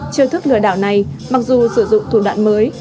chiêu thức lừa đảo này mặc dù sử dụng thủ đoạn mới